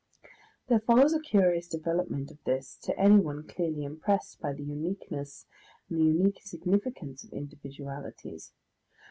There follows a curious development of this to anyone clearly impressed by the uniqueness and the unique significance of individualities.